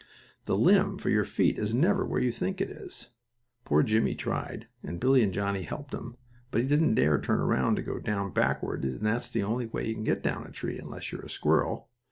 The limb for your feet is never where you think it is. Poor Jimmie tried, and Billie and Johnnie helped him, but he didn't dare turn around to go down, backward, and that's the only way you can get down a tree, unless you're a squirrel.